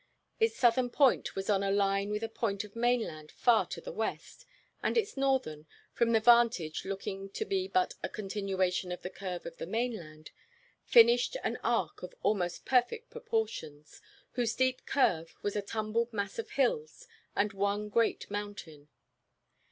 Its southern point was on a line with a point of mainland far to the west, and its northern, from their vantage looking to be but a continuation of the curve of the mainland, finished an arc of almost perfect proportions, whose deep curve was a tumbled mass of hills and one great mountain.